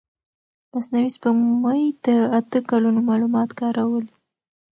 مصنوعي سپوږمکۍ د اته کلونو معلومات کارولي.